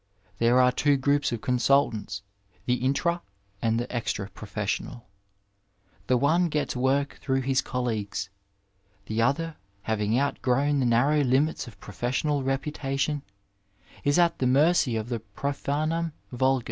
There are two groups of consultants, the intra and the extra professional ; the one gets work through his colleagues, the other, having outgrown the narrow limits of professional reputation, is at the mercy of the profanum vulgiu.